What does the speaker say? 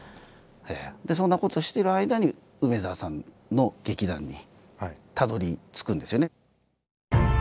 そんなことしてる間に梅沢さんの劇団にたどりつくんですよね。